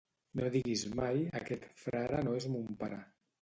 No diguis mai aquest frare no és mon pare